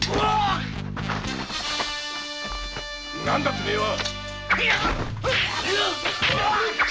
何だてめえは！